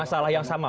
masalah yang sama